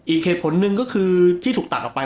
อีกเหตุผลหนึ่งก็คือที่ถูกตัดออกไป